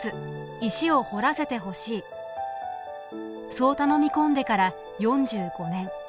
そう頼み込んでから４５年。